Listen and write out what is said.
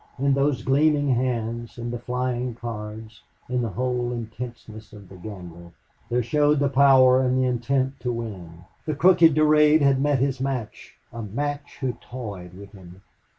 In those gleaming hands, in the flying cards, in the whole intenseness of the gambler there showed the power and the intent to win. The crooked Durade had met his match, a match who toyed with him.